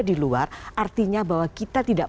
di luar artinya bahwa kita tidak